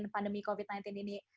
pandemi covid sembilan belas ini